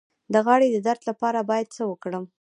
د غاړې د درد لپاره باید څه وکړم؟